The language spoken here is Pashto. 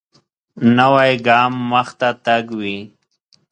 نوی ګام مخته تګ وي